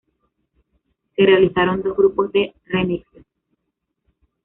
Se realizaron dos grupos de remixes.